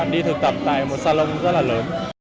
đi thực tập tại một salon rất là lớn